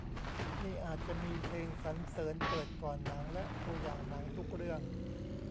นี่อาจจะมีเพลงสรรเสริญเปิดก่อนหนังและตัวอย่างหนังทุกเรื่อง